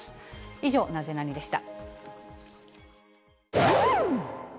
以上、ナゼナニっ？でした。